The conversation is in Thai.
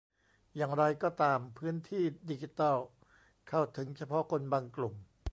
อย่างไรก็ตามพื้นที่ดิจิทัลเข้าถึงเฉพาะคนบางกลุ่ม